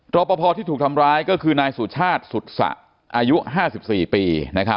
รอปภที่ถูกทำร้ายก็คือนายสุชาติสุษะอายุ๕๔ปี